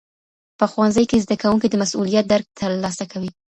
په ښوونځي کي زدهکوونکي د مسوولیت درک ترلاسه کوي.